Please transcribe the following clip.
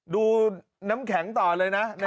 ดูน้ำแข็งต่อเลยนะ